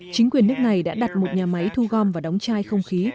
chính quyền nước này đã đặt một nhà máy thu gom và đóng chai không khí